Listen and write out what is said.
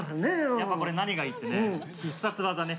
やっぱこれ何がいいってね必殺技ね。